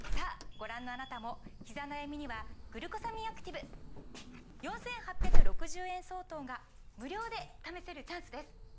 ご覧のあなたもひざ悩みには「グルコサミンアクティブ」４，８６０円相当が無料で試せるチャンスです！